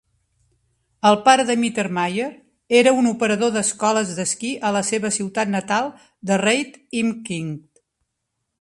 El pare de Mittermaier era un operador d'escoles d'esquí a la seva ciutat natal de Reit-im-Winkl.